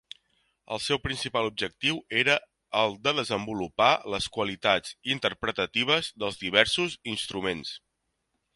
El seu principal objectiu era el de desenvolupar les qualitats interpretatives dels diversos instruments.